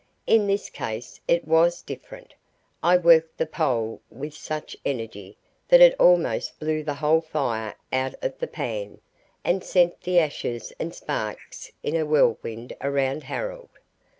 In this case it was different. I worked the pole with such energy that it almost blew the whole fire out of the pan, and sent the ashes and sparks in a whirlwind around Harold.